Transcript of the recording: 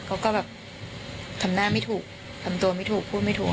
เขาก็แบบทำหน้าไม่ถูกทำตัวไม่ถูกพูดไม่ถูก